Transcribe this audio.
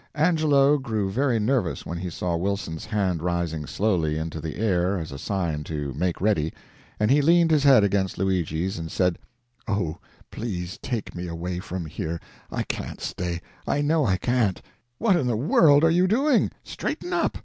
Angelo grew very nervous when he saw Wilson's hand rising slowly into the air as a sign to make ready, and he leaned his head against Luigi's and said: "Oh, please take me away from here, I can't stay, I know I can't!" "What in the world are you doing? Straighten up!